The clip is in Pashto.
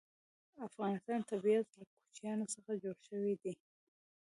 د افغانستان طبیعت له کوچیانو څخه جوړ شوی دی.